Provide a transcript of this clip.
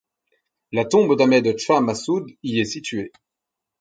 La tombe d'Ahmed Chah Massoud y est située.